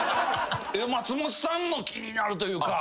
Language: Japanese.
松本さんも気になるというか。